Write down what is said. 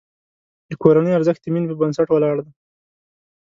د کورنۍ ارزښت د مینې په بنسټ ولاړ دی.